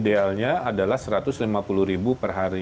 idealnya adalah satu ratus lima puluh ribu per hari